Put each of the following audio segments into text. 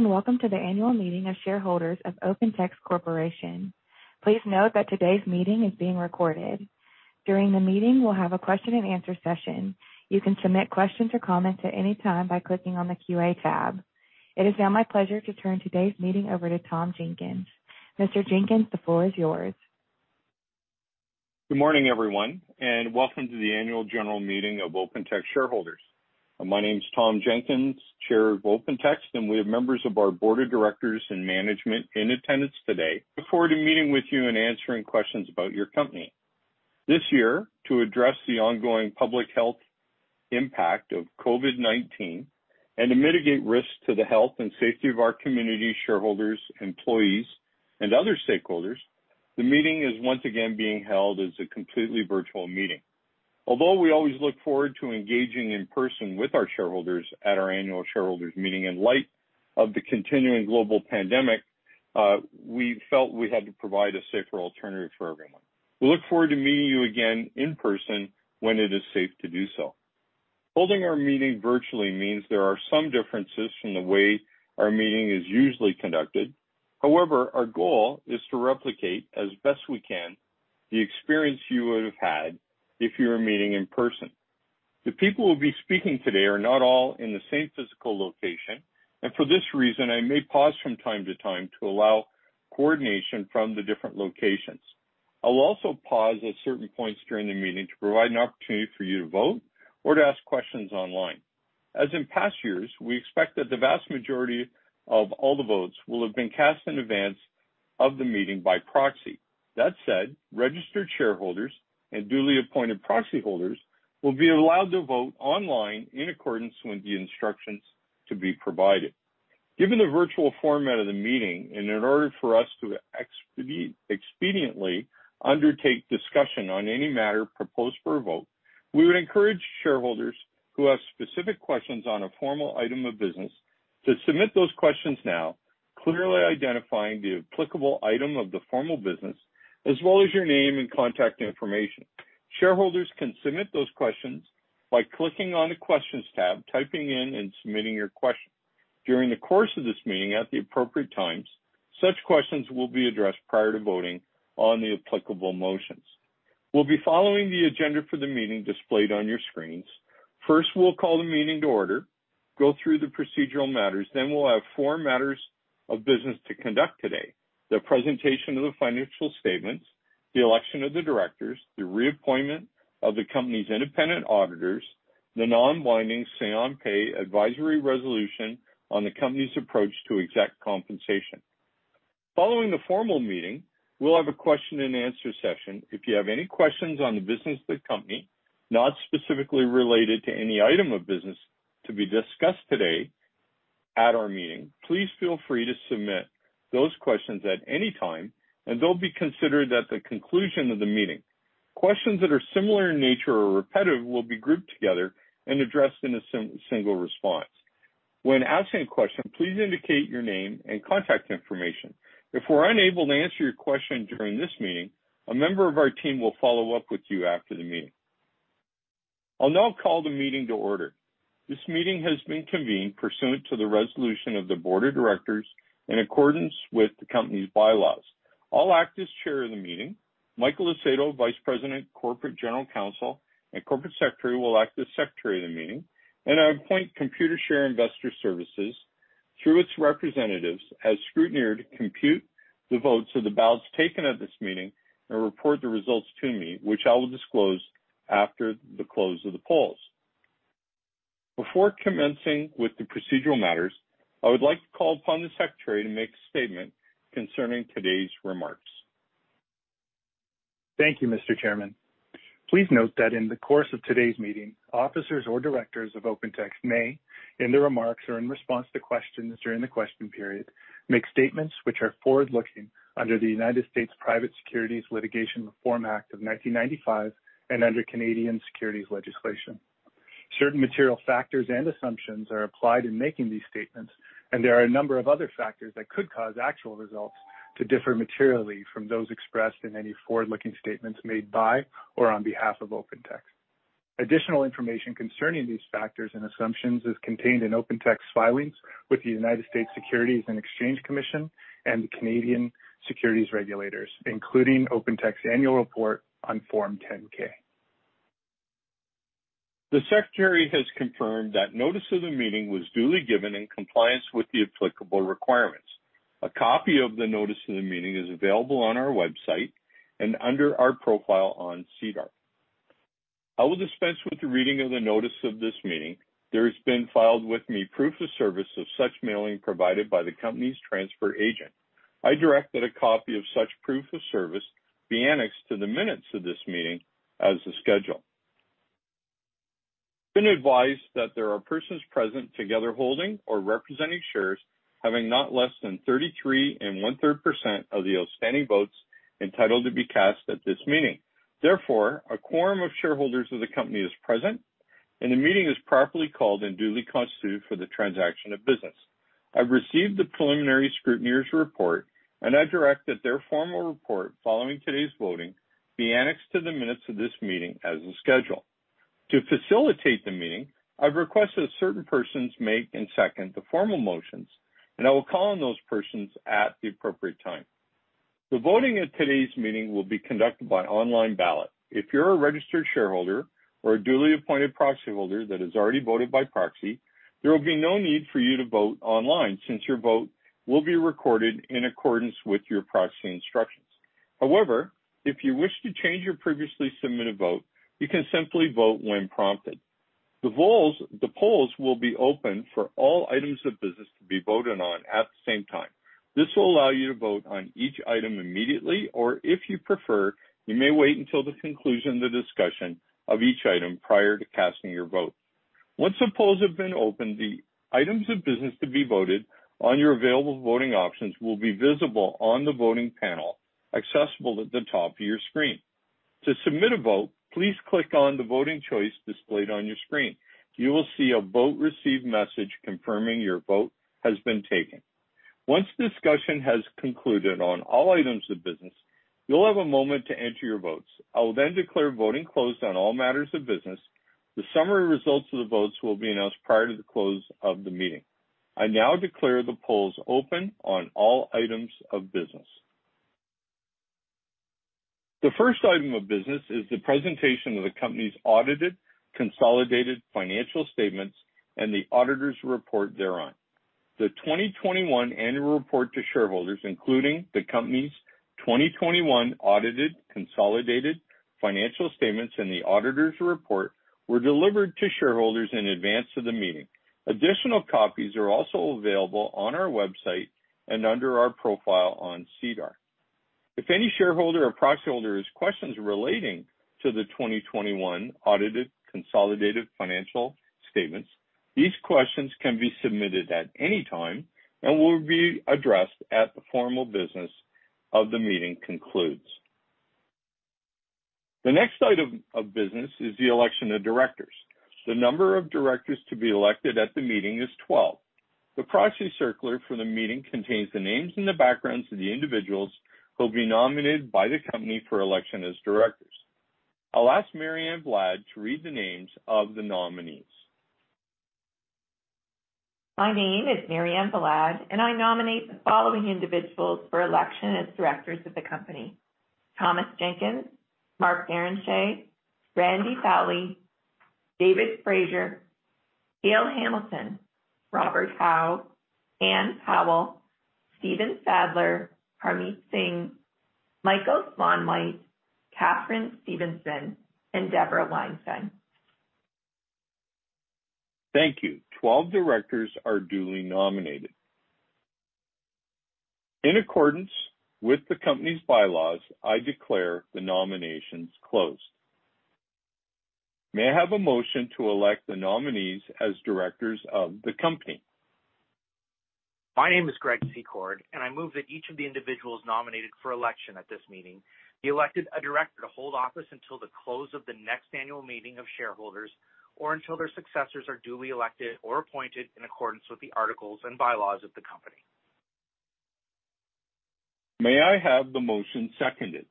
Hello, welcome to the Annual Meeting of Shareholders of Open Text Corporation. Please note that today's meeting is being recorded. During the meeting, we'll have a question and answer session. You can submit questions or comments at any time by clicking on the QA tab. It is now my pleasure to turn today's meeting over to Tom Jenkins. Mr. Jenkins, the floor is yours. Good morning, everyone, and welcome to the annual general meeting of Open Text shareholders. My name's Tom Jenkins, Chair of Open Text. We have members of our board of Directors and management in attendance today. I look forward to meeting with you and answering questions about your company. This year, to address the ongoing public health impact of COVID-19, and to mitigate risks to the health and safety of our community, shareholders, employees, and other stakeholders, the meeting is once again being held as a completely virtual meeting. Although we always look forward to engaging in person with our shareholders at our annual shareholders meeting, in light of the continuing global pandemic, we felt we had to provide a safer alternative for everyone. We look forward to meeting you again in person when it is safe to do so. Holding our meeting virtually means there are some differences from the way our meeting is usually conducted. Our goal is to replicate as best we can the experience you would have had if you were meeting in person. The people who will be speaking today are not all in the same physical location. For this reason, I may pause from time to time to allow coordination from the different locations. I will also pause at certain points during the meeting to provide an opportunity for you to vote or to ask questions online. As in past years, we expect that the vast majority of all the votes will have been cast in advance of the meeting by proxy. That said, registered shareholders and duly appointed proxy holders will be allowed to vote online in accordance with the instructions to be provided. Given the virtual format of the meeting, and in order for us to expediently undertake discussion on any matter proposed for a vote, we would encourage shareholders who have specific questions on a formal item of business to submit those questions now, clearly identifying the applicable item of the formal business as well as your name and contact information. Shareholders can submit those questions by clicking on the Questions Tab, typing in, and submitting your question. During the course of this meeting, at the appropriate times, such questions will be addressed prior to voting on the applicable motions. We'll be following the agenda for the meeting displayed on your screens. First, we'll call the meeting to order, go through the procedural matters, then we'll have four matters of business to conduct today, the presentation of the financial statements, the election of the Directors, the reappointment of the company's independent auditors, the non-binding Say on Pay Advisory resolution on the company's approach to exec compensation. Following the formal meeting, we'll have a question and answer session. If you have any questions on the business of the company not specifically related to any item of business to be discussed today at our meeting, please feel free to submit those questions at any time, and they'll be considered at the conclusion of the meeting. Questions that are similar in nature or repetitive will be grouped together and addressed in a single response. When asking a question, please indicate your name and contact information. If we're unable to answer your question during this meeting, a member of our team will follow up with you after the meeting. I'll now call the meeting to order. This meeting has been convened pursuant to the resolution of the board of Directors in accordance with the company's by-laws. I'll act as Chair of the meeting. Michael Acedo, Vice President, Corporate General Counsel, and Corporate Secretary will act as Secretary of the meeting, and I appoint Computershare Investor Services, through its representatives as scrutineer to compute the votes of the ballots taken at this meeting and report the results to me, which I will disclose after the close of the polls. Before commencing with the procedural matters, I would like to call upon the Secretary to make a statement concerning today's remarks. Thank you, Mr. Chairman. Please note that in the course of today's meeting, officers or Directors of OpenText may, in their remarks or in response to questions during the question period, make statements which are forward-looking under the United States Private Securities Litigation Reform Act of 1995 and under Canadian securities legislation. Certain material factors and assumptions are applied in making these statements, and there are a number of other factors that could cause actual results to differ materially from those expressed in any forward-looking statements made by or on behalf of OpenText. Additional information concerning these factors and assumptions is contained in OpenText filings with the United States Securities and Exchange Commission and the Canadian Securities Regulators, including OpenText Annual Report on Form 10-K. The Secretary has confirmed that notice of the meeting was duly given in compliance with the applicable requirements. A copy of the notice of the meeting is available on our website and under our profile on SEDAR. I will dispense with the reading of the notice of this meeting. There has been filed with me proof of service of such mailing provided by the company's transfer agent. I direct that a copy of such proof of service be annexed to the minutes of this meeting as the schedule. I have been advised that there are persons present together holding or representing shares, having not less than 33 and 1/3% of the outstanding votes entitled to be cast at this meeting. Therefore, a quorum of shareholders of the company is present, and the meeting is properly called and duly constituted for the transaction of business. I've received the preliminary scrutineer's report, and I direct that their formal report following today's voting be annexed to the minutes of this meeting as the schedule. To facilitate the meeting, I've requested certain persons make and second the formal motions, and I will call on those persons at the appropriate time. The voting at today's meeting will be conducted by online ballot. If you're a registered shareholder or a duly appointed proxyholder that has already voted by proxy, there will be no need for you to vote online since your vote will be recorded in accordance with your proxy instructions. However, if you wish to change your previously submitted vote, you can simply vote when prompted. The polls will be open for all items of business to be voted on at the same time. This will allow you to vote on each item immediately, or if you prefer, you may wait until the conclusion of the discussion of each item prior to casting your vote. Once the polls have been opened, the items of business to be voted on your available voting options will be visible on the voting panel, accessible at the top of your screen. To submit a vote, please click on the voting choice displayed on your screen. You will see a vote received message confirming your vote has been taken. Once discussion has concluded on all items of business, you'll have a moment to enter your votes. I will then declare voting closed on all matters of business. The summary results of the votes will be announced prior to the close of the meeting. I now declare the polls open on all items of business. The first item of business is the presentation of the company's audited consolidated financial statements and the auditor's report thereon. The 2021 annual report to shareholders, including the company's 2021 audited consolidated financial statements, and the auditor's report, were delivered to shareholders in advance of the meeting. Additional copies are also available on our website and under our profile on SEDAR. If any shareholder or proxyholder has questions relating to the 2021 audited consolidated financial statements, these questions can be submitted at any time and will be addressed as the formal business of the meeting concludes. The next item of business is the election of Directors. The number of Directors to be elected at the meeting is 12. The proxy circular for the meeting contains the names and the backgrounds of the individuals who will be nominated by the company for election as Directors. I'll ask Mary Anne Vlasic to read the names of the nominees. My name is Mary Anne Vlasic. I nominate the following individuals for election as Directors of the company: Thomas Jenkins, Mark Barrenechea, Randy Fowlie, David Fraser, Gail Hamilton, Robert Hau, Ann M. Powell, Stephen Sadler, Harmit Singh, Michael Slaunwhite, Katharine Stevenson, and Deborah Weinstein. Thank you. 12 Directors are duly nominated. In accordance with the company's bylaws, I declare the nominations closed. May I have a motion to elect the nominees as Directors of the company? My name is Greg Secord, and I move that each of the individuals nominated for election at this meeting be elected a director to hold office until the close of the next Annual Meeting of Shareholders, or until their successors are duly elected or appointed in accordance with the articles and bylaws of the company. May I have the motion seconded?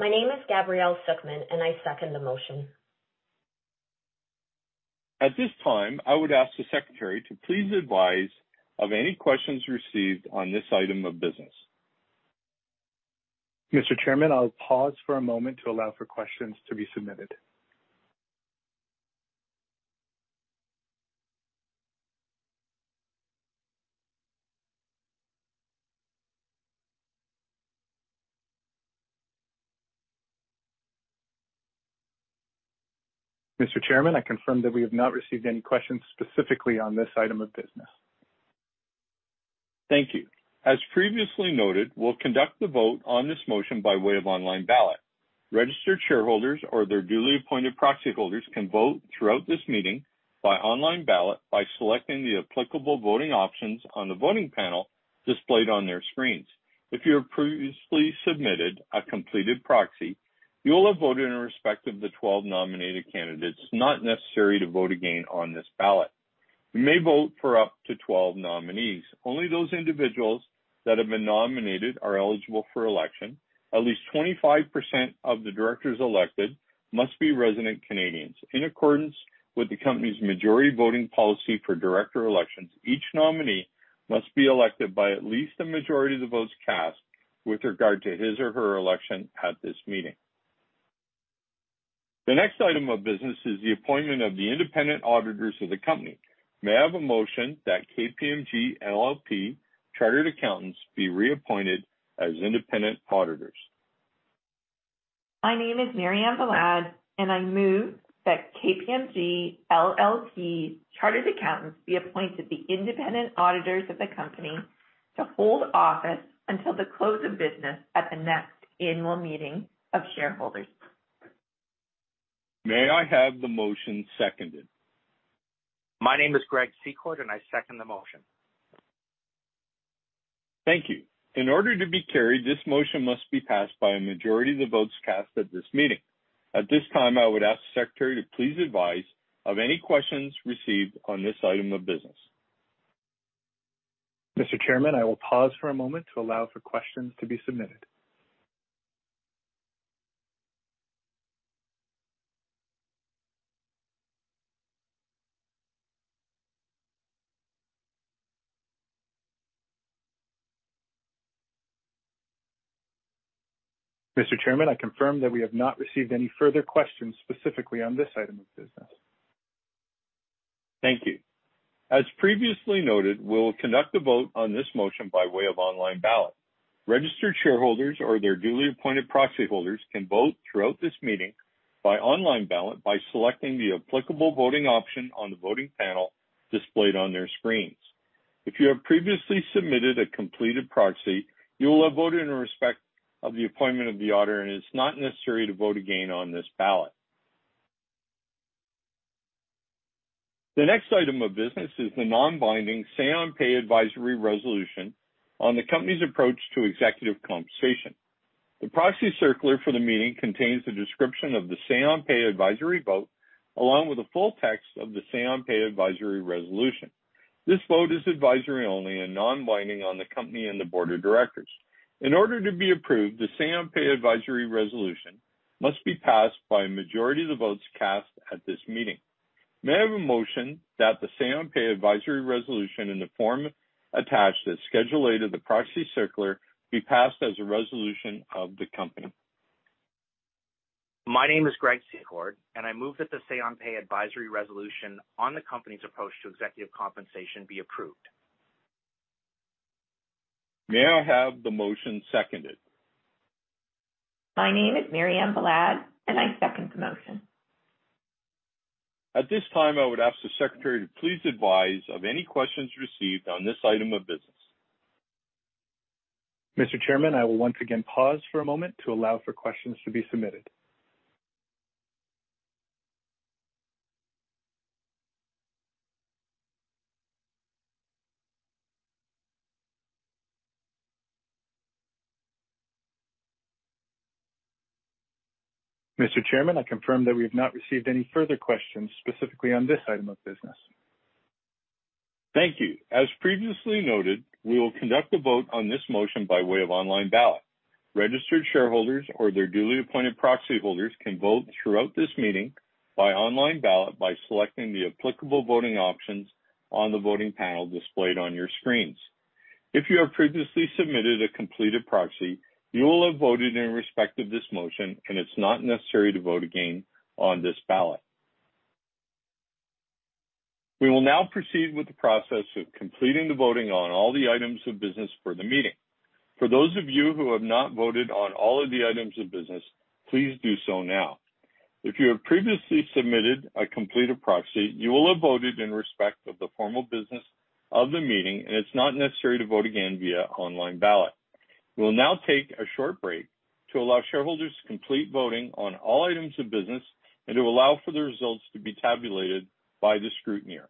My name is Gabrielle Suckman, and I second the motion. At this time, I would ask the secretary to please advise of any questions received on this item of business. Mr. Chairman, I'll pause for a moment to allow for questions to be submitted. Mr. Chairman, I confirm that we have not received any questions specifically on this item of business. Thank you. As previously noted, we'll conduct the vote on this motion by way of online ballot. Registered shareholders or their duly appointed proxyholders can vote throughout this meeting by online ballot by selecting the applicable voting options on the voting panel displayed on their screens. If you have previously submitted a completed proxy, you will have voted in respect of the 12 nominated candidates, it's not necessary to vote again on this ballot. You may vote for up to 12 nominees. Only those individuals that have been nominated are eligible for election. At least 25% of the Directors elected must be resident Canadians. In accordance with the company's majority voting policy for Director elections, each nominee must be elected by at least a majority of the votes cast with regard to his or her election at this meeting. The next item of business is the appointment of the independent auditors of the company. May I have a motion that KPMG LLP Chartered Accountants be reappointed as independent auditors? My name is Mary Anne Vlasic, and I move that KPMG LLP Chartered Accountants be appointed the independent auditors of the company to hold office until the close of business at the next Annual Meeting of Shareholders. May I have the motion seconded? My name is Greg Secord, and I second the motion. Thank you. In order to be carried, this motion must be passed by a majority of the votes cast at this meeting. At this time, I would ask the secretary to please advise of any questions received on this item of business. Mr. Chairman, I will pause for a moment to allow for questions to be submitted. Mr. Chairman, I confirm that we have not received any further questions specifically on this item of business. Thank you. As previously noted, we will conduct a vote on this motion by way of online ballot. Registered shareholders or their duly appointed proxy holders can vote throughout this meeting by online ballot by selecting the applicable voting option on the voting panel displayed on their screens. If you have previously submitted a completed proxy, you will have voted in respect of the appointment of the auditor, and it's not necessary to vote again on this ballot. The next item of business is the non-binding Say on Pay Advisory Resolution on the company's approach to executive compensation. The proxy circular for the meeting contains a description of the Say on Pay Advisory Vote, along with the full text of the Say on Pay Advisory Resolution. This vote is advisory only and non-binding on the company and the Board of Directors. In order to be approved, the Say on Pay Advisory resolution must be passed by a majority of the votes cast at this meeting. May I have a motion that the Say on Pay Advisory resolution in the form attached at Schedule A to the proxy circular be passed as a resolution of the company? My name is Greg Secord, and I move that the Say on Pay Advisory resolution on the company's approach to executive compensation be approved. May I have the motion seconded? My name is Mary Ann Bellad, and I second the motion. At this time, I would ask the secretary to please advise of any questions received on this item of business. Mr. Chairman, I will once again pause for a moment to allow for questions to be submitted. Mr. Chairman, I confirm that we have not received any further questions specifically on this item of business. Thank you. As previously noted, we will conduct a vote on this motion by way of online ballot. Registered shareholders or their duly appointed proxy holders can vote throughout this meeting by online ballot by selecting the applicable voting options on the voting panel displayed on your screens. If you have previously submitted a completed proxy, you will have voted in respect of this motion, and it is not necessary to vote again on this ballot. We will now proceed with the process of completing the voting on all the items of business for the meeting. For those of you who have not voted on all of the items of business, please do so now. If you have previously submitted a completed proxy, you will have voted in respect of the formal business of the meeting, and it is not necessary to vote again via online ballot. We will now take a short break to allow shareholders to complete voting on all items of business and to allow for the results to be tabulated by the scrutineer.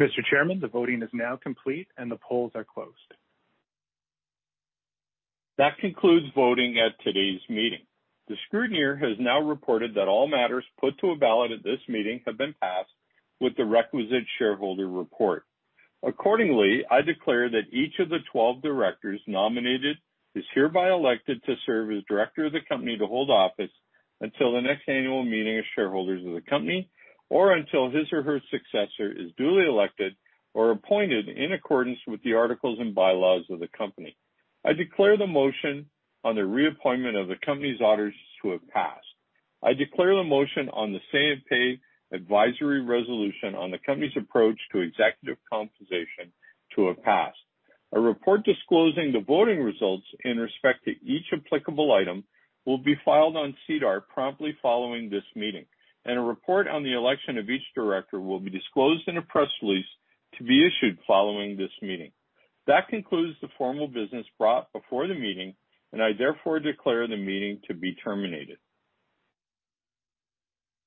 Mr. Chairman, the voting is now complete, and the polls are closed. That concludes voting at today's meeting. The scrutineer has now reported that all matters put to a ballot at this meeting have been passed with the requisite shareholder report. Accordingly, I declare that each of the 12 Directors nominated is hereby elected to serve as Director of the company to hold office until the next Annual Meeting of Shareholders of the company or until his or her successor is duly elected or appointed in accordance with the articles and by-laws of the company. I declare the motion on the reappointment of the company's auditors to have passed. I declare the motion on the say-on-pay advisory resolution on the company's approach to executive compensation to have passed. A report disclosing the voting results in respect to each applicable item will be filed on SEDAR promptly following this meeting. A report on the election of each Director will be disclosed in a press release to be issued following this meeting. That concludes the formal business brought before the meeting. I therefore declare the meeting to be terminated.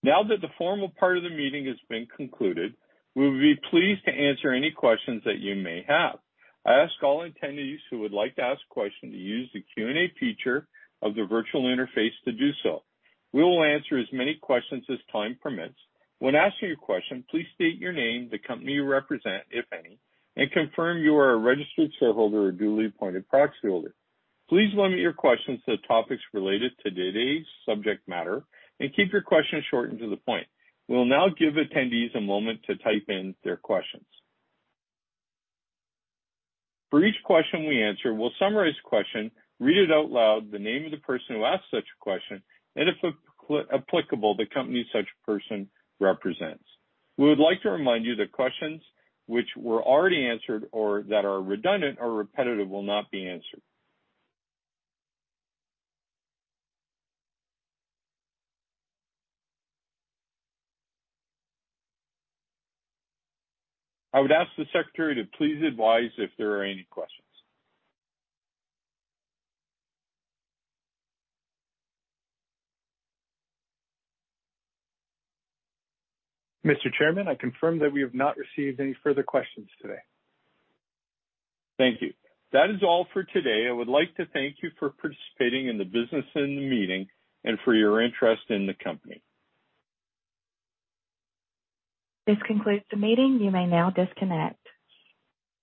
Now that the formal part of the meeting has been concluded, we would be pleased to answer any questions that you may have. I ask all attendees who would like to ask a question to use the Q&A feature of the virtual interface to do so. We will answer as many questions as time permits. When asking your question, please state your name, the company you represent, if any, and confirm you are a registered shareholder or duly appointed proxyholder. Please limit your questions to topics related to today's subject matter and keep your questions short and to the point. We will now give attendees a moment to type in their questions. For each question we answer, we'll summarize the question, read it out loud, the name of the person who asked such a question, and if applicable, the company such person represents. We would like to remind you that questions which were already answered or that are redundant or repetitive will not be answered. I would ask the secretary to please advise if there are any questions. Mr. Chairman, I confirm that we have not received any further questions today. Thank you. That is all for today. I would like to thank you for participating in the business in the meeting and for your interest in the company. This concludes the meeting. You may now disconnect.